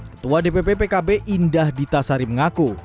ketua dpp pkb indah ditasari mengaku